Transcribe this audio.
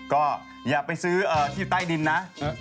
ก็อย่าไปซื้อที่อยู่ใต้ดินนะ